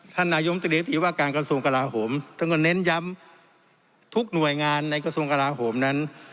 นายมตรีว่าการกระทรวงกลาโหมท่านก็เน้นย้ำทุกหน่วยงานในกระทรวงกลาโหมนั้น